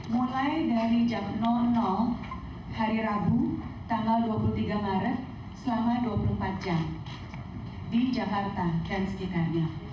mulai dari jam hari rabu tanggal dua puluh tiga maret selama dua puluh empat jam di jakarta dan sekitarnya